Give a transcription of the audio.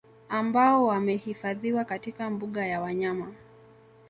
Ambao wamehifadhiwa katika mbuga ya wanyama